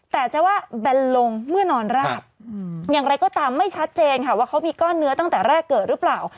แต่จะว่าแบนลงเมื่อนอนราบอย่างไรก็ตามไม่ชัดเจนค่ะว่าเขามีก้อนเนื้อตั้งแต่แรกเกิดหรือเปล่า